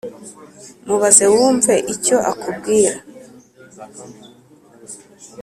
Mubaze wumve icyo akubwira